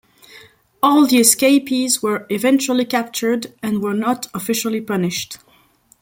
All the escapees were eventually captured and were not officially punished.